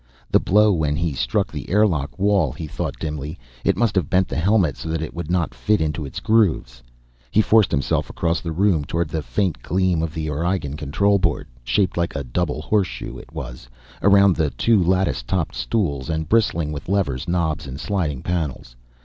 The blow when he struck the airlock wall, he thought dimly it must have bent the helmet so that it would not fit into its grooves. He forced himself across the room, toward the faint gleam of the Aurigean control board shaped like a double horseshoe it was, around the two lattice topped stools, and bristling with levers, knobs and sliding panels.